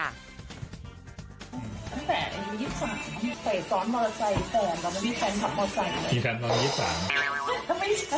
ตั้งแต่๒๓และ๔มศยังไม่มีแฟนพรับมันใส่